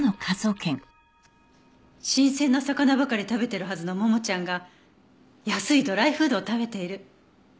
新鮮な魚ばかり食べてるはずのももちゃんが安いドライフードを食べている。